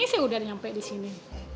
ini saya udah nyampe disini